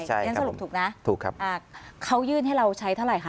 ใช่ใช่ครับผมถูกนะถูกครับอ่าเขายื่นให้เราใช้เท่าไรคะ